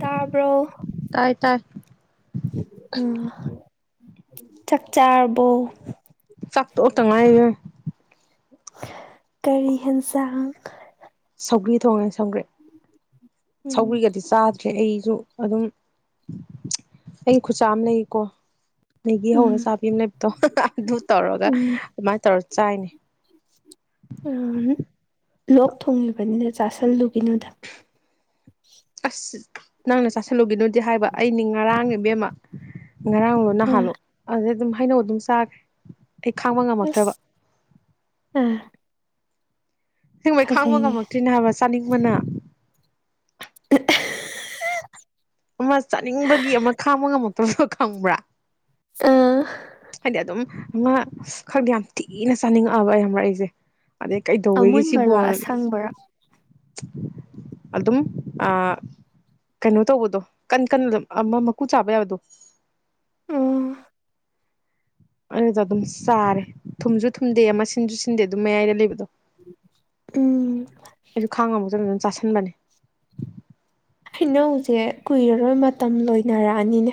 ꯇꯥꯔꯕꯣ ꯇꯥꯏ ꯇꯥꯏ ꯎ ꯆꯥꯛꯆꯥꯥꯕꯣ ꯆꯥꯛ ꯑꯣ ꯇꯉꯥꯏꯅꯦ ꯀꯔꯤ ꯌꯦꯟꯁꯥꯡ ꯁꯧꯒ꯭ꯔꯤ ꯊꯣꯡꯉꯦ ꯁꯪꯒꯔꯤ ꯎꯝ ꯁꯧꯒ꯭ꯔꯤꯒꯗꯤ ꯆꯥꯗ ꯁꯦ ꯑꯩꯁꯨ ꯑꯗꯨꯝ ꯑꯩ ꯈꯨꯆꯥ ꯑꯃ ꯂꯩꯌꯦꯀꯣ ꯅꯅꯤꯒꯤ ꯍꯧꯔ ꯎꯝ ꯆꯥꯕꯤ ꯑꯃ ꯂꯩꯕꯗꯣ ꯑꯗꯨ ꯇꯧꯔꯒ ꯑꯗꯨꯃꯥꯏꯅ ꯇꯧꯔ ꯆꯥꯏꯅꯦ ꯑꯝ ꯂꯣꯛ ꯊꯣꯡꯉꯤꯕꯅꯤꯅ ꯆꯥꯁꯜꯂꯨꯒꯤꯅꯣꯗ ꯑꯁ ꯅꯪꯅ ꯆꯥꯥꯁꯜꯂꯨꯒꯤꯅꯣꯗꯤ ꯍꯥꯏꯕ ꯑꯩꯅꯤ ꯉꯔꯥꯡ ꯏꯕꯦꯝꯃ ꯉꯔꯥꯡꯂꯣ ꯑꯥ ꯅꯍꯥꯜꯂꯣ ꯑꯗꯨꯗꯩ ꯑꯗꯨꯝ ꯍꯩꯅꯧ ꯑꯗꯨꯝ ꯆꯥꯈ꯭ꯔꯦ ꯑꯩ ꯈꯥꯡꯕ ꯉꯝꯃꯛꯇ꯭ꯔꯕ ꯑꯁ ꯑꯥ ꯍꯦꯡꯕꯩ ꯈꯥꯡꯕ ꯐꯖꯩꯅꯦ ꯉꯝꯃꯛꯇ꯭ꯔꯤꯅꯦ ꯍꯥꯏꯕ ꯆꯥꯅꯤꯡꯕꯅ [unintelligible] [inaudible] ꯑꯃ ꯆꯥꯅꯤꯡꯕꯒꯤ ꯑꯃ ꯈꯥꯡꯕ ꯉꯝꯃꯛꯇꯕꯘꯣ ꯈꯪꯕ꯭ꯔꯥ ꯑ ꯍꯥꯏꯘꯤ ꯑꯘꯨꯝ ꯑꯃꯥ ꯈꯪꯗꯦ ꯌꯥꯝꯊꯤꯅ ꯆꯥꯅꯤꯡꯉꯛꯑꯕ ꯈꯪꯕ꯭ꯔꯥ ꯑꯪꯖꯦ ꯑꯗꯩ ꯀꯩꯗꯧꯋꯦꯒꯦ ꯑꯃꯨꯟꯕꯔꯣ ꯁꯤꯕꯨꯅ ꯑꯁꯪꯕꯔꯣ ꯑꯗꯨꯝ ꯑꯥ ꯀꯩꯅꯣ ꯇꯧꯕꯗꯣ ꯀꯟ ꯀꯟꯅ ꯑꯃ ꯃꯀꯨ ꯆꯥꯕ ꯌꯥꯕꯗꯣ ꯎꯝ ꯑꯗꯨꯗ ꯑꯗꯨꯝ ꯆꯥꯔꯦ ꯊꯨꯝꯁꯨ ꯊꯨꯝꯗꯦ ꯑꯃ ꯁꯤꯟꯁꯨ ꯁꯤꯟꯗꯦ ꯑꯗꯨꯝ ꯃꯌꯥꯏꯘꯥ ꯂꯩꯕꯗꯣ ꯎꯝ ꯑꯩꯁꯨ ꯈꯡ ꯉꯥꯝꯃꯥꯛ ꯇꯥꯘꯥꯅꯥ ꯑꯗꯨꯝ ꯆꯥꯁꯑꯕꯥꯅꯦ ꯍꯩꯅꯧꯖꯦ ꯀꯨꯏꯔꯥꯔꯣꯏ ꯃꯇꯥꯝ ꯂꯣꯏꯅꯔꯥꯛ ꯑꯅꯤꯅꯦ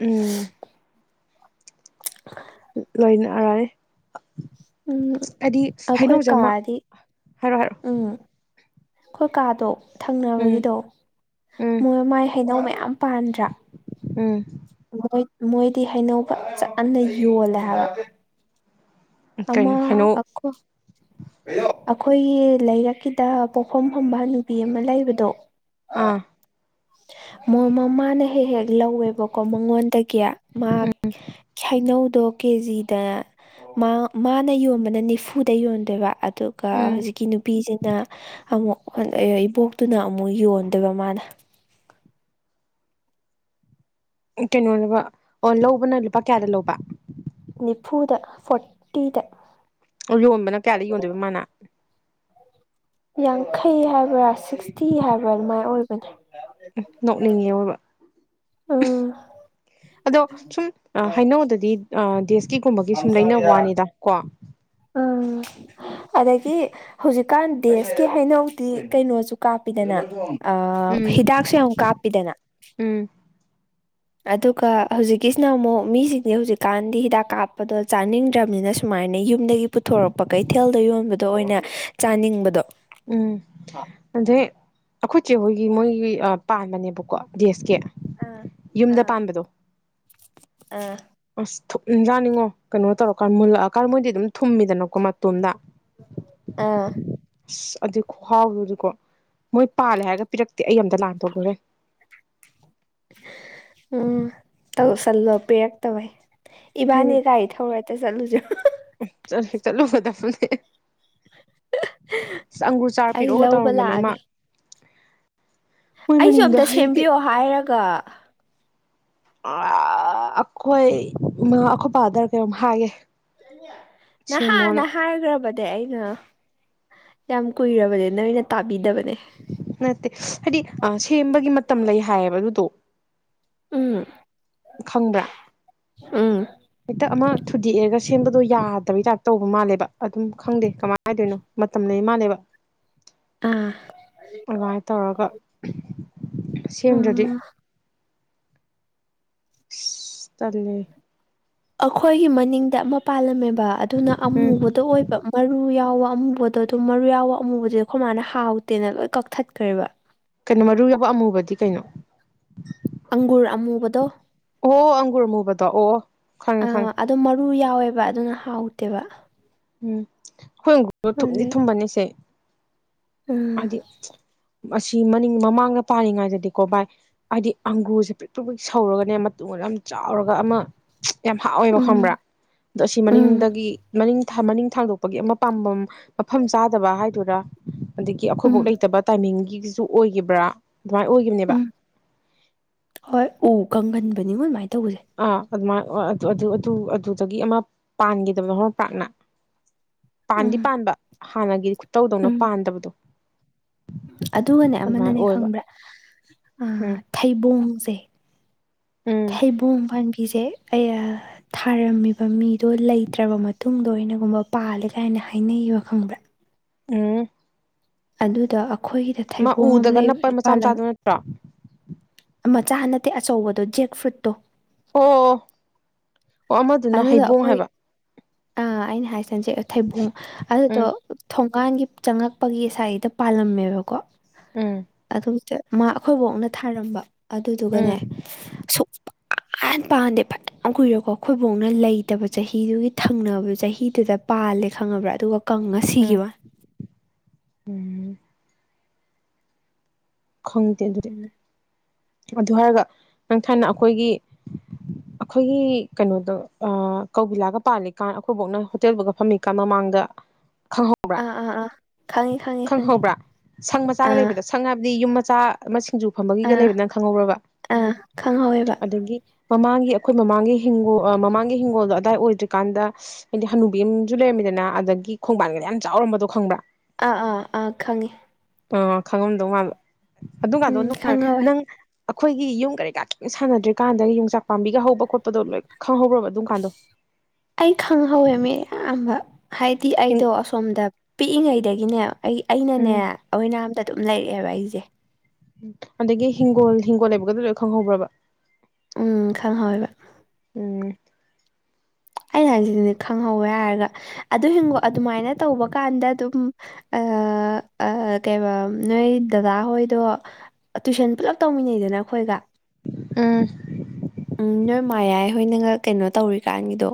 ꯎꯝ [unintelligible] [inaudible] ꯂꯣꯏꯅꯔꯅꯤ ꯎꯝ ꯍꯥꯏꯗꯤ ꯑꯩꯈꯣꯏ ꯍꯩꯅꯧꯁꯦ ꯑꯃ ꯀꯥꯗꯤ ꯍꯥꯏꯔꯣ ꯍꯥꯏꯔꯣ ꯎꯝ ꯑꯩꯈꯣꯏ ꯀꯥꯗꯣ ꯎꯝ ꯊꯪꯅꯕꯒꯤꯗꯣ ꯎꯝ ꯃꯣꯏ ꯃꯥꯏ ꯍꯥꯏꯅꯧ ꯃꯌꯥꯝ ꯌꯥꯝ ꯄꯥꯟꯗ꯭ꯔꯥ ꯎꯝ ꯃꯣꯏ ꯃꯣꯏꯗꯤ ꯍꯩꯅꯧꯕ ꯆꯠꯟꯅ ꯌꯣꯜꯂꯦ ꯍꯥꯏꯕ ꯑꯃ ꯀꯩꯅꯣ ꯍꯩꯅꯧ ꯑꯣ ꯑꯩꯈꯣꯏꯒꯤ ꯂꯩꯔꯛꯀꯤꯗ ꯄꯣꯛꯐꯝ ꯐꯝꯕ ꯅꯨꯄꯤ ꯑꯃ ꯂꯩꯕꯗꯣ ꯑꯥ ꯃꯣꯏ ꯃꯃꯥꯅ ꯍꯦꯛ ꯍꯦꯛ ꯂꯧꯋꯦꯕꯀꯣ ꯃꯉꯣꯟꯗꯒꯤ ꯀꯌꯥ ꯃꯥ ꯈꯥꯏꯅꯧ ꯑꯗꯣ ꯀꯦꯖꯤꯗ ꯃꯥꯅ ꯌꯣꯟꯕꯅ ꯅꯤꯐꯨꯗ ꯌꯣꯟꯗꯣꯏꯕ ꯑꯗꯨꯒ ꯎꯝ ꯍꯧꯖꯤꯛꯀꯤ ꯅꯨꯄꯤꯁꯤꯅ ꯑꯃꯨꯛ ꯏꯕꯣꯛꯇꯨꯅ ꯑꯃꯨꯛ ꯌꯣꯟꯗꯣꯏꯕ ꯃꯥꯅ ꯀꯩꯅꯣꯅꯦꯕ ꯑꯣ ꯂꯧꯕꯅ ꯂꯨꯄꯥ ꯀꯌꯥꯗ ꯂꯧꯕ ꯅꯤꯐꯨꯗ ꯐꯇꯤꯗ ꯌꯣꯟꯕꯅ ꯀꯌꯥꯗ ꯌꯣꯟꯗꯣꯏꯕ ꯃꯥꯅ ꯌꯥꯡꯈꯩ ꯍꯥꯏꯕ꯭ꯔꯥ ꯁꯤꯛꯁꯇꯤ ꯍꯥꯏꯕ꯭ꯔꯥ ꯑꯗꯨꯃꯥꯏꯅ ꯑꯣꯏꯕꯅꯦ ꯅꯣꯛꯅꯤꯡꯉꯦꯕ ꯎꯝ ꯑꯗꯣ ꯁꯨꯝ ꯍꯥꯏꯅꯧꯗꯗꯤꯦ ꯀꯤꯒꯨꯝꯕꯒꯤ ꯁꯨꯝ ꯂꯩꯅꯕ ꯋꯥꯅꯤꯗ ꯀꯣ ꯑ ꯎ ꯑꯗꯒꯤ ꯍꯧꯖꯤꯛꯀꯥꯟ ꯗꯦꯁꯀꯤ ꯍꯩꯅꯧꯗꯤ ꯀꯩꯅꯣꯁꯨ ꯀꯥꯞꯄꯤꯗꯅ ꯑ ꯎꯝ ꯍꯤꯗꯥꯛꯁꯨ ꯌꯥꯝ ꯀꯥꯞꯄꯤꯗꯅ ꯎꯝ ꯑꯗꯨꯒ ꯍꯧꯖꯤꯛꯀꯤꯁꯤꯅ ꯑꯃꯨꯛ ꯃꯤꯁꯤꯡꯁꯦ ꯍꯧꯖꯤꯛꯀꯥꯟꯗꯤ ꯍꯤꯗꯥꯛ ꯀꯥꯞꯄꯗꯣ ꯆꯥꯅꯤꯡꯗ꯭ꯔꯕꯅꯤꯅ ꯁꯨꯃꯥꯏꯅ ꯁꯃꯥꯏꯅ ꯌꯨꯝꯗꯒꯤ ꯄꯨꯊꯣꯔꯛꯄ ꯀꯩꯊꯦꯜꯗ ꯌꯣꯟꯕꯗꯣ ꯑꯣꯏꯅ ꯆꯥꯅꯤꯡꯕꯗꯣ ꯎꯝ ꯑꯗ ꯑꯈꯣꯏ ꯆꯦꯕ ꯃꯣꯏꯒꯤ ꯄꯥꯟꯕꯅꯦꯕꯀꯣ ꯗꯦꯁꯀꯤ ꯑꯥ ꯌꯨꯝꯗ ꯑꯥ ꯄꯥꯟꯕꯗꯣ ꯑꯥ ꯑ ꯊꯨꯞꯅꯖꯥꯅꯤꯡꯉꯣ ꯀꯩꯅꯣ ꯇꯧꯔꯀꯥꯟ ꯃꯨꯜꯂꯛꯑꯀꯥꯟ ꯃꯣꯏꯗꯤ ꯑꯗꯨꯝ ꯊꯨꯝꯃꯤꯗꯅꯀꯣ ꯃꯇꯣꯝꯗ ꯑꯥ ꯑꯁ ꯑꯗꯨ ꯈꯍꯥꯎꯔꯗꯤꯀꯣ ꯃꯣꯏ ꯄꯥꯜꯂꯦ ꯍꯥꯏꯔꯒ ꯄꯤꯔꯛꯇꯦ ꯑꯩ ꯑꯝꯇ ꯂꯥꯟꯊꯣꯛꯈꯨꯔꯦ ꯎꯝ ꯇꯧꯁꯜꯂꯣ ꯄꯤꯔꯛꯇꯕꯏ ꯏꯕꯥꯅꯤ ꯀꯒꯥꯔꯤ ꯊꯧꯔꯦꯇ ꯆꯠꯂꯨꯁꯨ ꯆ ꯆꯂꯣ ꯐ ꯐꯦ ꯑꯁ ꯑꯪꯒꯨꯔ ꯆꯥꯔ ꯑꯩ ꯄꯤꯔꯛꯑꯣꯒ ꯂꯧꯕ ꯇꯧꯔꯝꯕꯅꯦ ꯃꯥ ꯂꯥꯛꯑꯒꯦ ꯃꯣꯏ ꯑꯩꯁꯨ ꯃꯅꯤꯡꯗ ꯑꯝꯇ ꯍꯩ ꯀꯩ ꯁꯦꯝꯕꯤꯌꯣ ꯍꯥꯏꯔꯒ ꯑ ꯑꯩꯈꯣꯏ ꯃꯥ ꯑꯩꯈꯣꯏ ꯐꯥꯗꯔ ꯀꯩꯅꯣꯝ ꯍꯥꯏꯒꯦ ꯅꯍꯥ ꯁꯦꯝꯃꯣꯅ ꯅꯍꯥꯏꯒ꯭ꯔꯕ ꯑ ꯑꯩꯅ ꯌꯥꯝ ꯀꯨꯏꯔꯕꯅꯤ ꯅ ꯑꯩꯅ ꯇꯥꯕꯤꯗꯕꯅꯦ ꯅꯠꯇꯦ ꯍꯥꯏꯗꯤ ꯁꯦꯝꯕꯒꯤ ꯃꯇꯝ ꯂꯩ ꯍꯥꯏꯌꯦꯕ ꯑꯗꯨꯗꯣ ꯎꯝ ꯈꯪꯕ꯭ꯔꯥ ꯎꯝ ꯍꯦꯛꯇ ꯑꯃ ꯊꯨꯗꯦꯛꯑꯒ ꯁꯦꯝꯕꯗꯣ ꯌꯥꯗꯕꯒꯤ ꯇꯥꯏꯞꯇ ꯇꯧꯕ ꯃꯥꯜꯂꯦꯕ ꯑꯗꯨꯝ ꯈꯪꯗꯦ ꯀꯃꯥꯏꯅ ꯍꯥꯏꯗꯣꯏꯅꯣ ꯃꯇꯝ ꯂꯩ ꯃꯥꯜꯂꯦꯕ [inaudible] ꯑꯥ ꯑꯗꯨꯃꯥꯏꯅ ꯇꯧꯔꯒ ꯁꯦꯝꯗ꯭ꯔꯗꯤ ꯎꯝ ꯇꯂꯦ ꯑꯩꯈꯣꯏꯒꯤ ꯃꯅꯤꯡꯗ ꯑꯃ ꯄꯥꯜꯂꯝꯃꯦꯕ ꯑꯗꯨꯅ ꯎꯝ ꯑꯃꯨꯕꯗ ꯑꯣꯏꯕ ꯃꯔꯨ ꯌꯥꯎ ꯌꯥꯎꯕ ꯑꯃꯨꯕꯗꯣ ꯑꯗꯨꯝ ꯃꯔꯨ ꯌꯥꯎꯕ ꯑꯃꯨꯕꯗ ꯑꯩꯈꯣꯏ ꯃꯥꯅ ꯍꯥꯎꯇꯦꯅ ꯂꯣꯏ ꯀꯛꯊꯠꯈ꯭ꯔꯦꯕ ꯀꯩꯅꯣ ꯃꯔꯨ ꯌꯥꯎꯕ ꯑꯃꯨꯕꯗꯤ ꯀꯩꯅꯣ ꯑꯪꯒꯨꯔ ꯑꯃꯨꯕꯗꯣ ꯇ ꯑꯣ ꯈꯪꯉ ꯈꯪ ꯂꯨ ꯌꯥꯎꯋꯦꯕ ꯑꯗꯨꯅ ꯍꯥꯎꯇꯦꯕ ꯎꯝ ꯑꯩꯈꯣꯏꯒꯨꯔꯗꯣ ꯊꯨꯝꯗꯤ ꯑꯗꯨꯗꯩ ꯊꯨꯝꯕꯅꯤꯁꯦ ꯎꯝ ꯑꯗꯦ ꯑꯁꯤ ꯃꯅꯤꯡ ꯃꯃꯥꯡꯗ ꯄꯥꯜꯂꯤꯉꯩꯗꯗꯤꯀꯣ ꯚꯥꯏ ꯍꯥꯏꯗꯤ ꯑꯪꯒ꯭ꯔꯨꯁꯦ ꯄꯤꯛ ꯄꯤꯛ ꯄꯤꯛ ꯁꯧꯔꯒꯅꯦ ꯃꯇꯨꯡ ꯌꯥꯝ ꯆꯥꯎꯔꯒ ꯑꯃ ꯌꯥꯝ ꯍꯥꯎꯋꯦꯕ ꯈꯪꯕ꯭ꯔꯥ ꯎꯝ ꯑꯗꯣ ꯑꯁꯤ ꯎꯝ ꯃꯅꯤꯡꯗꯒꯤ ꯃꯅꯤꯡ ꯃꯅꯤꯡ ꯊꯥꯡꯗꯣꯛꯄꯒꯤ ꯑꯃ ꯄꯥꯝꯕꯝ ꯃꯐꯝ ꯆꯥꯗꯕ ꯍꯥꯏꯗꯔꯥ ꯑꯗꯒꯤ ꯑꯩꯈꯣꯏꯐꯧ ꯎꯝ ꯂꯩꯇꯕ ꯇꯥꯏꯃꯤꯡꯒꯤꯁꯨ ꯑꯣꯏꯈꯤꯕ꯭ꯔꯥ ꯑꯗꯨꯃꯥꯏꯅ ꯑꯣꯏꯈꯤꯕꯅꯦꯕ ꯎꯝ ꯀꯪꯍꯟꯕꯅꯤꯉꯣ ꯑꯗꯨꯃꯥꯏꯅ ꯇꯧꯕꯁꯦ ꯑꯗꯨꯃꯥꯏꯅ ꯑꯗꯨꯗꯒꯤ ꯑꯃ ꯄꯥꯟꯈꯤꯗꯕꯗꯣ ꯍꯣꯔꯝ ꯄꯥꯛꯅ ꯄꯥꯟꯗꯤ ꯎꯝ ꯄꯥꯟꯕ ꯍꯥꯟꯅꯒꯤ ꯈꯨꯇꯧꯗꯧꯅ ꯎꯝ ꯄꯥꯟꯗꯕꯗꯣ ꯑꯗꯨꯒꯅꯦ ꯑꯗꯨꯃꯥꯏꯅ ꯑꯃꯅꯅꯦ ꯑꯣꯏꯕ ꯈꯪꯕ꯭ꯔꯥ ꯎꯝ ꯊꯩꯕꯣꯡꯁꯦ ꯎꯝ ꯊꯩꯕ ꯐ ꯦ ꯊꯔꯝꯃꯤ ꯃꯤꯣ ꯂꯩꯇ꯭ꯔꯕ ꯃꯇꯨꯡꯗꯣꯩꯅꯒꯨꯝ ꯀ ꯍꯥꯏꯅꯩ ꯋꯥ ꯈꯪꯕ꯭ꯔꯥ ꯎꯝ ꯑꯗꯨꯗ ꯑꯩꯈꯣꯏꯒꯤꯗ ꯊꯩꯕꯣꯡ ꯑꯃ ꯎꯗꯒ ꯅꯞꯄ ꯂꯩꯕ ꯃꯆꯥ ꯄꯥꯂꯪ ꯃꯆꯥꯗꯨ ꯅꯠꯇ꯭ꯔꯣ ꯃꯆꯥ ꯅꯠꯇꯦ ꯑꯆꯧꯕꯗꯣ ꯖꯦꯛ ꯐ꯭ꯔꯨꯠꯇꯣ ꯑꯣ ꯑꯣ ꯑꯃꯗꯨꯅ ꯍꯩꯕꯣꯡ ꯍꯥꯏꯕ ꯑ ꯑꯩꯅ ꯍꯥꯏꯁꯟꯁꯦ ꯊꯩꯕꯣꯡ ꯑꯗꯨꯗꯣ ꯎꯝ ꯀꯥꯟꯒꯤ ꯆꯪꯉꯛꯄꯒꯤ ꯉꯁꯥꯏꯗ ꯄꯥꯜꯂꯝꯃꯦꯕꯀꯣ ꯎꯝ ꯑꯗꯨꯝꯠ ꯃꯥ ꯑꯩꯈꯣꯏꯕꯣꯛꯅ ꯊꯥꯔꯝꯕ ꯑꯗꯨꯗꯨꯒꯅꯦ ꯎꯝ ꯁꯄ ꯑ ꯄꯗꯦ ꯄꯦ ꯀꯨꯏꯣ ꯀꯣ ꯑꯩꯈꯣꯏꯐꯥꯎꯅ ꯂꯩꯇꯕ ꯆꯍꯤꯗꯨꯒꯤ ꯊꯪꯅꯕꯗꯨ ꯆꯍꯤꯗꯨꯗ ꯄꯥꯜꯂꯦ ꯈꯪꯉꯕ꯭ꯔꯥ ꯑꯗꯨꯒ ꯀꯥꯡꯪꯁꯤ ꯎꯝ ꯋꯥ ꯎꯝ ꯈꯪꯗꯦ ꯑꯗꯨꯗꯤ ꯋꯥꯅꯤ ꯑꯗꯨ ꯍꯥꯏꯔꯒ ꯅꯪ ꯊꯥꯏꯅ ꯑꯩꯈꯣꯏꯒꯤ ꯑꯩꯈꯣꯏꯒꯤ ꯀꯩꯅꯣꯗꯣ ꯀꯧꯕꯤꯂꯥꯒ ꯄꯥꯜꯂꯤꯀꯥꯟ ꯑꯩꯈꯣꯏꯕꯧꯅ ꯍꯣꯇꯦꯜꯐꯧꯒ ꯐꯝꯃꯤꯀ ꯃꯃꯥꯡ ꯃꯥꯡꯗ ꯈꯪꯍꯧꯕ꯭ꯔꯥ ꯑꯥ ꯑꯥ ꯑꯥ ꯈꯪꯉꯤ ꯈꯪꯉꯤ ꯈꯪꯉꯤ ꯈꯪꯍꯧꯕ꯭ꯔꯥ ꯁꯪ ꯃꯆꯥꯒ ꯑꯥ ꯂꯩꯕꯗ ꯁꯪ ꯍꯥꯏꯕꯗꯤ ꯌꯨꯝ ꯃꯆꯥ ꯑꯃ ꯁꯤꯡꯖꯨ ꯐꯝꯕꯒꯤꯒ ꯑꯥ ꯂꯩꯕ ꯅꯪ ꯈꯪꯍꯧꯔꯕ ꯑꯥ ꯈꯪꯍꯧꯋꯦꯕ ꯑꯗꯒꯤ ꯃꯃꯥꯡꯒꯤ ꯑꯩꯈꯣꯏ ꯃꯃꯥꯡꯒꯤ ꯍꯤꯡꯣꯜ ꯃꯃꯥꯡꯒꯤ ꯍꯤꯡꯒꯣꯜꯗꯣ ꯑꯗꯥꯏ ꯑꯣꯏꯗ꯭ꯔꯤꯀꯥꯟꯗ ꯍꯥꯏꯗꯤ ꯍꯅꯨꯕꯤ ꯑꯃꯁꯨ ꯂꯩꯔꯝꯃꯦ ꯍꯥꯏꯗꯅ ꯑꯗꯒꯤ ꯈꯣꯡꯕꯥꯟꯒꯅ ꯌꯥꯝ ꯆꯥꯎꯔꯝꯕꯗꯣ ꯈꯪꯕ꯭ꯔꯥ ꯑꯥ ꯑꯥ ꯑꯥ ꯈꯪꯏ ꯑ ꯈꯪꯉꯝꯗꯧ ꯃꯥꯜꯂꯣ ꯑꯗꯨꯒꯀꯥꯟꯗꯣ ꯎꯝ ꯅꯨꯡꯉꯥꯏꯔꯦ ꯈꯪꯍꯧꯋꯦ ꯅꯪ ꯑꯩꯈꯣꯏꯒꯤ ꯌꯨꯝ ꯀꯔꯤ ꯀꯥ ꯀꯨꯅ ꯁꯥꯟꯅꯗ꯭ꯔꯤꯀꯥꯟꯗ ꯌꯣꯡꯆꯥꯛ ꯄꯥꯝꯕꯤꯒ ꯍꯧꯕ ꯈꯣꯠꯄꯗꯣ ꯂꯣꯏ ꯈꯪꯍꯧꯕ꯭ꯔꯕ ꯑꯗꯨꯝ ꯀꯥꯟꯗꯣ ꯑꯁ ꯑꯩ ꯈꯪꯍꯧꯋꯦ ꯃꯤ ꯑꯌꯥꯝꯕ ꯍꯥꯏꯗꯤ ꯑꯩꯗꯣ ꯑꯁꯣꯝꯗ ꯄꯤꯛꯏꯉꯩꯗꯒꯤꯅꯦ ꯑꯩ ꯑꯩꯅꯅꯦ ꯎꯝ ꯑꯣꯏꯅꯥꯝꯗ ꯑꯗꯨꯝ ꯂꯩꯔꯛꯑꯦꯕ ꯑꯩꯖꯦ ꯑꯗꯒꯤ ꯍꯤꯡꯒꯣꯜ ꯍꯤꯡꯒꯣꯜ ꯂꯩꯕꯒ ꯂꯣꯏ ꯈꯪꯍꯧꯕ꯭ꯔꯕ ꯎꯝ ꯈꯪꯍꯧꯋꯦꯕ ꯎꯝ ꯑꯩꯅ ꯍꯥꯏꯁꯤꯗꯤ ꯈꯪꯍꯧꯋꯦ ꯍꯥꯏꯔꯒ ꯑꯗꯨ ꯍꯤꯡꯒꯣ ꯑꯗꯨꯃꯥꯏꯅ ꯇꯧꯕ ꯀꯥꯟꯗ ꯑꯗꯨꯝ ꯑ ꯑ ꯀꯩꯕ ꯅꯣꯏ ꯗꯗꯥ ꯍꯣꯏꯗꯣ ꯇꯨꯏꯁꯟ ꯄꯨꯂꯞ ꯇꯧꯃꯤꯟꯅꯩꯗꯅ ꯑꯩꯈꯣꯏꯒ ꯑꯨꯝ ꯃꯥꯏꯌꯥꯏ ꯍꯣꯏꯅ ꯀꯩꯅꯣ ꯇꯧꯔꯤꯀꯥꯟꯒꯤꯗꯣ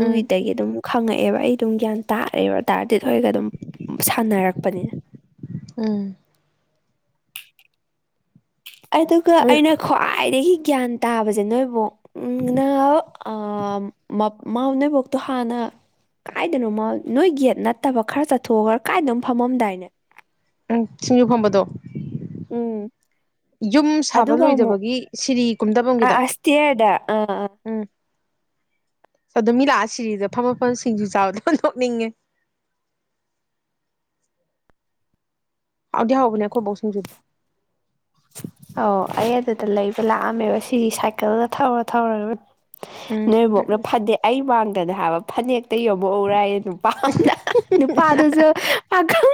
ꯎꯝ ꯑꯗꯨꯝ ꯈꯪꯉꯛꯑꯦꯕ ꯑꯩ ꯑꯗꯨꯝ ꯒ꯭ꯌꯥꯟ ꯇꯥꯔꯑꯦꯕ ꯇꯥꯔꯗꯦꯠ ꯍꯣꯏꯒ ꯑꯗꯨꯝ ꯁꯥꯟꯅꯔꯛꯄꯅꯤꯅ ꯎꯝ ꯑꯗꯨꯒ ꯎꯝ ꯑꯩꯅ ꯈ꯭ꯋꯥꯏ ꯈꯋꯥꯏꯗꯒꯤ ꯒ꯭ꯌꯥꯟ ꯇꯥꯕꯁꯦ ꯅꯣꯏ ꯕꯣꯛꯅ ꯑ ꯃꯥ ꯅꯣꯏꯕꯣꯛ ꯍꯥꯟꯅ ꯀꯥꯏꯗꯅꯣꯃ ꯅꯣꯏ ꯒꯦꯠ ꯅꯠꯇꯕ ꯈꯔ ꯆꯠꯊꯣꯛꯒ ꯈꯔ ꯀꯥꯏꯗꯅꯣꯃ ꯐꯝꯃꯝꯗꯥꯏꯅꯦ ꯎꯝ ꯆꯁꯤꯡꯉꯨ ꯐꯝꯕꯗꯣ ꯎꯝ ꯌꯨꯝ ꯁꯥꯕ ꯑꯗꯨꯒ ꯑꯃꯨꯛ ꯂꯣꯏꯗꯕꯒꯤ ꯁꯤꯔꯤ ꯑꯥ ꯀꯨꯝꯗꯐꯝꯒꯤꯗ ꯑꯁꯇꯤꯌꯔꯗ ꯑꯥ ꯑꯥ ꯎꯝ ꯑꯗꯣ ꯃꯤ ꯂꯥꯛꯑ ꯁꯤꯔꯤꯗ ꯐꯝ ꯃꯐꯝ ꯁꯤꯡꯖꯨ ꯆꯥꯕꯗ ꯑꯣꯟꯊꯣꯛꯅꯤꯡꯉꯦ ꯑ ꯍꯧꯗꯤ ꯍꯥꯎꯧꯕꯅꯦ ꯑꯩꯈꯣꯏ ꯕꯣꯛꯁꯤꯡꯖꯨꯗꯣ ꯑꯣ ꯑꯩ ꯑꯗꯨꯗ ꯂꯩꯕ ꯂꯥꯛꯑꯝꯃꯦꯕ ꯁꯤꯗꯤ ꯁꯥꯏꯀꯜꯒ ꯊꯧꯔ ꯊꯧꯔꯒ ꯎꯝ ꯅꯣꯏ ꯕꯣꯛꯅ ꯐꯅꯦꯛ ꯑꯩ ꯃꯥꯡꯗꯅ ꯍꯥꯏꯕ ꯐꯅꯦꯛ ꯌꯕꯎꯔꯑꯌꯦ ꯅꯨꯄꯥ ꯑꯝꯗ ꯅꯨꯄꯥꯗꯨꯁꯨ ꯄꯥꯈꯪ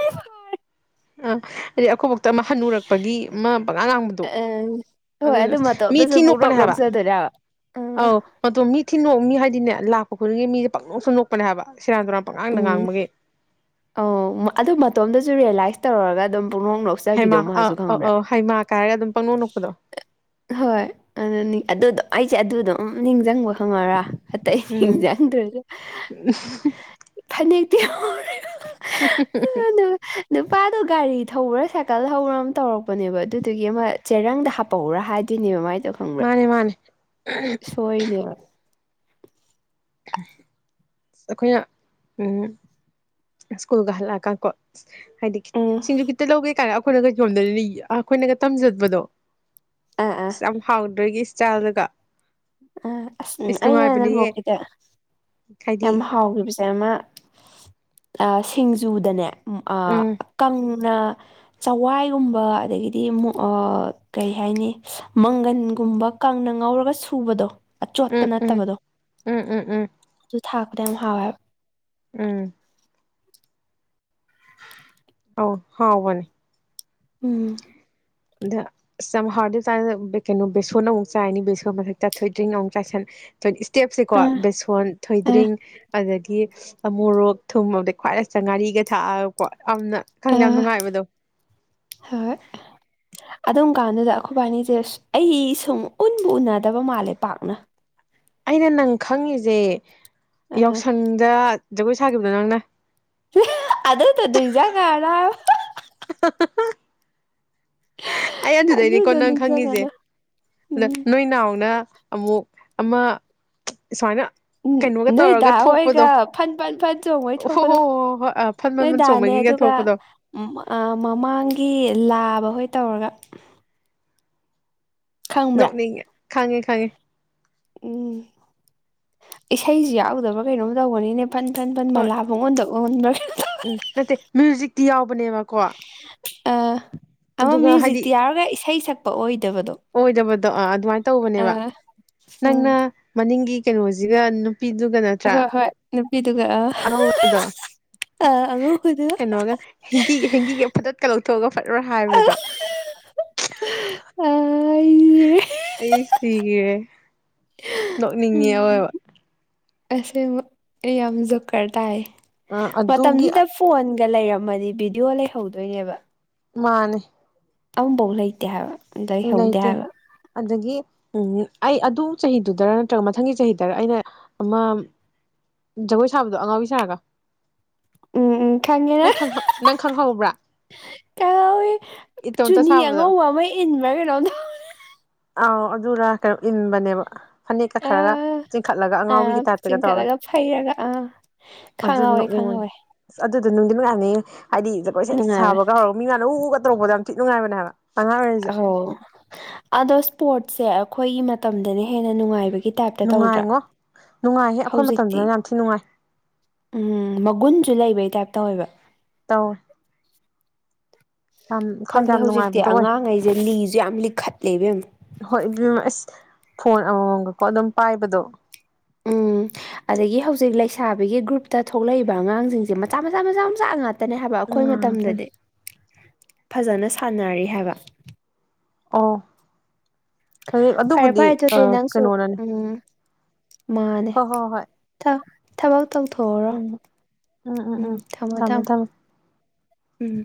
ꯑꯥ ꯑꯗꯗꯤ ꯑꯩꯈꯣꯏꯕꯇ ꯑꯃ ꯍꯟꯅꯨꯔꯛꯄꯒꯤ ꯑꯃ ꯄꯉꯥ ꯉꯥꯡꯕꯗꯣ ꯑꯪ ꯍꯣꯏ ꯑꯗꯨꯅ ꯑꯗꯨ ꯃꯇꯣꯝꯇꯁꯨ ꯃꯤꯊꯤꯅ ꯅꯣꯛꯄꯅꯦ ꯄꯨꯡꯅꯣꯛ ꯍꯥꯏꯕ ꯅꯣꯛꯆꯗꯣꯏꯅꯦ ꯍꯥꯏꯕ ꯑ ꯑꯧ ꯃꯤ ꯊꯤ ꯅꯣꯛꯑ ꯃꯤ ꯍꯥꯏꯗꯤꯅꯦ ꯂꯥꯛꯄ ꯈꯨꯗꯤꯡꯒꯤ ꯃꯤꯁꯦ ꯄꯪꯅꯣꯛꯇ ꯅꯣꯛꯄꯅꯦ ꯍꯥꯏꯕ ꯁꯦꯔꯥꯟ ꯇꯨꯔꯥꯟ ꯄꯪꯉꯥꯡꯗ ꯎꯝ ꯉꯥꯡꯕꯒꯤ ꯑꯣ ꯑꯗꯨ ꯃꯇꯣꯝꯗꯁꯨ ꯔꯤꯌꯦꯂꯥꯏꯁ ꯇꯧꯔꯔꯒ ꯑꯗꯨꯝ ꯄꯨꯡꯅꯣꯛ ꯅꯣꯛꯆꯕꯤꯗꯣ ꯍꯩꯃꯥ ꯑ ꯃꯥꯁꯨ ꯑ ꯈꯪꯕ꯭ꯔꯥ ꯑ ꯍꯩꯃꯥ ꯀꯥꯏꯔꯒ ꯍꯥꯢꯔꯒ ꯑꯗꯨꯝ ꯄꯪꯅꯣꯛ ꯅꯣꯛꯄꯗꯣ ꯍꯣꯏ ꯑꯗꯨ ꯑꯗꯨꯗꯣ ꯑꯩꯖꯦ ꯑꯗꯨꯗꯣ ꯑꯗꯨꯝ ꯅꯤꯡꯁꯤꯡꯕ ꯈꯪꯉꯔ ꯑꯇꯩ ꯎꯝ ꯅꯤꯡꯖꯪꯗ꯭ꯔꯁꯨ ꯐꯅꯦꯛꯇꯣ [unintelligible] ꯑꯗꯨꯗꯣ ꯒꯥꯔꯤ ꯊꯧꯕ꯭ꯔꯥ ꯁꯥꯏꯀꯜ ꯊꯧꯕ꯭ꯔꯥ ꯑꯃ ꯇꯧꯔꯛꯄꯅꯦꯕ ꯑꯗꯨꯗꯨꯒꯤ ꯑꯃ ꯆꯦꯔꯪꯗ ꯍꯥꯞꯄꯍꯎꯔꯥ ꯍꯥꯏꯗꯣꯏꯅꯦꯕ ꯃꯥꯏ ꯗꯣ ꯈꯪꯕ꯭ꯔꯥ ꯃꯥꯅꯦ ꯃꯥꯅꯦ ꯁꯣꯏꯔꯤꯅꯦꯕ ꯑꯩꯈꯣꯏꯅ ꯎꯝ ꯁ꯭ꯀꯨꯜꯒ ꯍꯜꯂ ꯀꯥ ꯀꯣ ꯍꯥꯏꯗꯤ ꯎꯝ ꯁꯤꯡꯖꯨ ꯈꯤꯇ ꯂꯧꯒꯦ ꯀꯥꯏꯅ ꯑꯩꯈꯣꯏꯅꯒ ꯌꯣꯝꯗꯅꯤ ꯑꯩꯈꯣꯏꯅꯒ ꯇꯝꯖꯕꯗꯣ ꯑ ꯑꯥ ꯑꯥ ꯌꯥꯝ ꯍꯥꯎꯗꯣꯏꯒꯤ ꯏꯁꯇꯥꯏꯜꯗꯨꯒ ꯑ ꯑꯁ ꯎꯝ ꯑꯩꯩꯅꯥ ꯅꯣꯏ ꯕꯣꯛꯀꯤꯅꯦ ꯍꯥꯏꯗꯤ ꯌꯥꯝ ꯍꯥꯎꯒꯤꯕꯖꯦ ꯑꯃ ꯑꯥ ꯁꯤꯡꯖꯨꯗꯅꯦ ꯎꯝ ꯑꯥ ꯀꯪ ꯅ ꯆꯋꯥꯏꯒꯨꯝꯕ ꯑꯗꯒꯤꯗꯤ ꯎꯝ ꯀꯔꯤ ꯍꯥꯏꯅꯤ ꯃꯪꯒꯟ ꯒꯨꯝꯕ ꯀꯪꯡꯅ ꯉꯧꯔꯒ ꯁꯨꯕꯗꯣ ꯑꯆꯣꯠꯄ ꯎꯝ ꯎꯝ ꯅꯠꯇꯕꯗꯣ ꯎꯝ ꯎꯝ ꯎꯝ ꯊꯥꯛꯄꯗꯣ ꯌꯥꯝ ꯍꯥꯎꯌꯦ ꯍꯥꯢꯕ ꯎꯝ [unintelligible] ꯑ ꯍꯥꯎ ꯍꯅꯦ ꯎꯝ ꯑꯗ ꯁꯝ ꯍꯥꯏꯥꯎꯔꯗꯥꯟꯗ ꯀꯩꯅꯣ ꯕꯦꯁꯣꯟ ꯑꯃꯨꯛ ꯆꯥꯏꯅꯤ ꯕꯦꯁꯣꯟ ꯃꯊꯛ ꯆꯥꯊꯣꯛꯗ꯭ꯔꯤ ꯑꯃꯨꯛ ꯆꯥꯏꯁꯟ ꯏꯁ꯭ꯇꯦꯞꯁꯦꯀꯣ ꯑꯥ ꯕꯦꯁꯣꯟ ꯑꯥ ꯊꯣꯏꯗ꯭ꯔꯤꯡ ꯑꯗꯒꯤ ꯃꯣꯔꯣꯛ ꯊꯨꯝꯃꯗ ꯈ꯭ꯋꯥꯏ ꯆ ꯉꯥꯔꯤꯒ ꯊꯥꯛꯑꯒꯀꯣ ꯑꯅ ꯈꯪꯗꯦ ꯌꯥꯝ ꯑꯥ ꯅꯨꯡꯉꯥꯏꯕꯗꯣ ꯍꯣꯏ ꯑꯗꯨꯝ ꯀꯥꯟꯗꯨꯗ ꯑꯩꯈꯣꯏꯕꯥꯅꯤꯁꯦ ꯑꯩ ꯁꯨꯝ ꯎꯟꯕ ꯎꯅꯗꯕ ꯃꯥꯜꯂꯦ ꯄꯥꯛꯅ ꯑꯩꯅ ꯅꯪ ꯈꯪꯉꯤꯁꯦ ꯑꯥ ꯌꯥꯎꯁꯪꯗ ꯖꯒꯣꯏ ꯁꯥꯈꯤꯕꯗꯣ ꯅꯪꯅ ꯑꯗꯨꯗꯣ ꯅꯤꯡꯁꯤꯡꯉꯛꯑꯔꯣꯏ [unintelligible] ꯑꯩ ꯑꯗꯨꯗꯩꯅꯤꯀꯣ ꯑꯗꯨꯗꯣ ꯅꯪ ꯈꯪꯉꯤꯁꯦ ꯅꯤꯡꯁꯤꯡꯉꯛꯑꯔꯣꯏ ꯑꯗ ꯎꯝ ꯅꯣꯏ ꯅꯥꯎꯅ ꯑꯃꯨꯛ ꯑꯃ ꯁꯨꯃꯥꯏꯅ ꯎꯝ ꯀꯩꯅꯣꯒ ꯇꯧꯔꯒ ꯅꯣꯏꯗꯥ ꯊꯣꯛꯄꯗꯣ ꯍꯣꯏꯒ ꯐꯟ ꯐꯟ ꯐꯟ ꯆꯣꯡꯕꯩ ꯑꯣ ꯍꯣ ꯊꯣꯛꯄꯗꯣ ꯍꯣꯏ ꯍꯣꯏ ꯍꯣꯏ ꯑ ꯐꯟ ꯃꯃꯜ ꯅꯣꯏꯗꯥꯅꯦ ꯆꯣꯡꯕꯒꯤ ꯍꯒ ꯊ ꯑꯗꯨꯒ ꯍꯈꯗꯣ ꯃꯃꯥꯡꯒꯤ ꯂꯥꯕ ꯍꯣꯏ ꯇꯧꯔꯒ ꯈꯪꯕ꯭ꯔꯥ ꯅꯣꯛꯅꯤꯡꯉꯦ ꯈꯪꯉꯦ ꯈꯪꯉꯦ ꯎꯝ ꯏꯁꯩꯁꯤ ꯌꯥꯎꯗꯕ꯭ꯔꯥ ꯀꯩꯅꯣꯝ ꯇꯧꯒꯅꯤꯅꯦꯕ ꯑ ꯄꯟ ꯀꯟ ꯄꯟ ꯍꯣꯏ ꯃꯂꯥ ꯃꯉꯣꯟꯗ ꯑꯣꯟꯕ꯭ꯔꯥ ꯎꯝ ꯅꯠꯇ ꯃ꯭ꯨꯖꯛꯗꯤ ꯌꯥꯎ ꯅꯦꯕꯀꯣ ꯑꯃ ꯑꯗꯨꯒ ꯍꯥꯏꯗꯤ ꯃ꯭ꯌꯨꯖꯤꯛꯇꯤ ꯌꯥꯎꯔꯒ ꯏꯁꯩ ꯁꯛꯄ ꯑꯣꯏꯗꯕꯗꯣ ꯑꯣꯏꯗꯕꯗꯣꯥ ꯑꯗꯨꯃꯥꯏꯅ ꯑ ꯇꯧꯕꯅꯦꯕ ꯎꯝ ꯅꯪꯅ ꯃꯅꯤꯡꯒꯤ ꯀꯩꯅꯣꯁꯤꯒꯝ ꯄꯤꯗꯨꯒ ꯅꯠꯇ꯭ꯔꯥ ꯀꯗꯨ ꯀ ꯑꯉꯧꯕꯗꯣ ꯀꯩꯅꯣꯒ ꯍꯦꯡꯒꯤ ꯍꯦꯡꯒꯤꯒ ꯐꯗꯠꯀ ꯂꯧꯊꯣꯛꯑꯒ ꯐꯠꯂꯣ ꯍꯥꯏꯕꯗꯣ ꯎ ꯁꯤꯔꯦ ꯑꯩ ꯁꯤꯒꯔꯦ ꯅꯣꯛꯅꯤꯡꯉ ꯑꯣꯏꯕ ꯑꯁ ꯌꯥꯝ ꯖꯨꯀꯔ ꯇꯥꯏ ꯑ ꯑꯗꯨꯒꯤ ꯃꯇꯝꯁꯤꯗ ꯐꯣꯟ ꯒ ꯂꯩꯔꯝꯃꯅꯤ ꯚꯤꯗꯤꯑꯣ ꯂꯩꯍꯧꯗꯣꯏꯅꯦꯕ ꯃꯥꯅꯦ ꯑꯐꯧ ꯂꯩꯇꯦ ꯍꯥꯏꯕ ꯎ ꯂꯩꯍꯧꯗꯦ ꯂꯩꯇꯦ ꯍꯥꯏꯕ ꯑꯗꯒꯤ ꯎꯝ ꯑꯩ ꯑꯗꯨ ꯆꯍꯤꯗꯨꯗꯔ ꯅꯠꯇ꯭ꯔꯒ ꯃꯊꯪꯒꯤ ꯆꯍꯤꯗꯔ ꯑꯩꯅ ꯑꯃ ꯖꯒꯣꯏ ꯁꯥꯕꯗꯣ ꯑꯉꯥꯡꯕꯤ ꯁꯥꯔꯒ ꯎꯝ ꯎꯝ ꯈꯉꯅ ꯅꯪ ꯈꯪ ꯅꯪ ꯈꯪꯍꯧꯕ꯭ꯔꯥ ꯀꯉꯋꯤ ꯏꯇꯣꯝꯇ ꯆꯨꯅꯤ ꯁꯥꯕꯗꯣ ꯑꯉꯧꯕ ꯑꯃ ꯏꯟꯕ꯭ꯔꯥ ꯀꯩꯅꯣꯗ ꯑꯥꯎ ꯑꯗꯨꯔ ꯀꯩꯅꯣ ꯏꯟꯕꯅꯦꯕ ꯐꯅꯦꯛꯀ ꯈꯔꯒ ꯑꯥ ꯆꯤꯡꯈꯠꯂꯒ ꯑꯉꯥꯎꯕꯤꯒꯤ ꯑꯥ ꯇꯥꯏꯞꯇꯒ ꯇꯧꯔꯒ ꯆꯤꯡꯈꯠꯂꯒ ꯐꯩꯔꯒ ꯑꯥ ꯑꯗꯨ ꯈꯪꯍꯧꯋꯦ ꯅꯣꯛꯅꯤꯡ ꯈꯪꯍꯧꯋꯦ ꯑꯁ ꯑꯗꯨꯗꯣ ꯅꯨꯡꯗꯤ ꯃꯌꯥꯝꯅꯤ ꯍꯥꯏꯗꯤ ꯖꯒꯣꯏꯁꯦꯦꯛ ꯅꯨꯡꯉꯥꯏꯕ꯭ꯔꯥ ꯁꯥꯕꯒ ꯍꯧꯔꯒ ꯃꯤ ꯃꯅ ꯎꯒ ꯇꯧꯛꯗ ꯌꯥꯝ ꯊꯤ ꯅꯨꯡꯥꯏꯕꯅꯦꯕ ꯑꯉꯥꯡ ꯑꯣꯏꯔꯤꯩꯁꯨ ꯑꯣ ꯑꯗꯣ ꯁ꯭ꯄꯣꯔꯠꯁꯦ ꯑꯩꯈꯣꯏꯒꯤ ꯃꯇꯝꯗꯅ ꯍꯦꯟꯅ ꯅꯨꯡꯉꯥꯏꯕ ꯒꯤ ꯇꯥꯏꯞꯇ ꯇꯧꯗ꯭ꯔꯥ ꯅꯨꯡꯉꯥꯏꯉꯣ ꯅꯨꯡꯉꯥꯏꯍꯦ ꯑꯩꯈꯣꯏ ꯍꯧꯖꯤꯛꯇꯤ ꯃꯇꯝꯗꯅ ꯌꯥꯝ ꯊꯤ ꯅꯨꯡꯉꯥꯏ ꯎꯝ ꯃꯒꯨꯟꯁꯨ ꯂꯩꯕꯩ ꯇꯥꯏꯞ ꯇꯧꯋꯦꯕ ꯇꯥꯎ ꯈꯪꯗꯦ ꯌꯥꯝ ꯍꯧꯖꯤꯛꯇꯤ ꯅꯨꯡꯉꯥꯏꯕꯗꯣ ꯑꯣꯏ ꯑꯉꯥꯡꯈꯩꯁꯦ ꯂꯤꯁꯨ ꯌꯥꯝ ꯂꯤꯈꯠꯂꯦꯕ ꯍꯣꯏ ꯏ ꯑꯁ ꯐꯣꯟ ꯑꯃꯃꯝꯒꯀꯣ ꯑꯗꯨꯝ ꯄꯥꯏꯕꯗꯣ ꯎꯝ ꯑꯗꯒꯤ ꯍꯧꯖꯤꯛ ꯂꯩꯁꯥꯕꯤꯒꯤ ꯒ꯭ꯔꯨꯞꯇ ꯊꯣꯛꯂꯛꯏꯕ ꯑꯉꯥꯡꯁꯤꯡꯁꯦ ꯃꯆꯥ ꯃꯆꯥ ꯃꯆꯥ ꯃꯆꯥ ꯉ ꯉꯥꯛꯇꯅꯦ ꯍꯥꯏꯕ ꯑꯩꯈꯣꯏ ꯉꯥꯛꯇꯅꯤ ꯃꯇꯝꯗꯗꯤ ꯐꯖꯅ ꯁꯥꯟꯅꯔꯤ ꯍꯥꯏꯕ ꯑꯣ ꯑꯗꯨꯩ ꯐꯔꯦ ꯑꯗꯨꯕꯨꯗꯤ ꯐꯔꯦ ꯑꯗꯨꯗꯤ ꯅꯪꯁꯨ ꯀꯩꯅꯣꯅꯅꯤ ꯎꯝ ꯃꯥꯅꯦ ꯊꯕꯛ ꯇꯧꯊꯣꯛꯑꯣꯔꯣ ꯎꯝ ꯊꯝꯃꯣ ꯊꯝꯃꯣ ꯎꯝ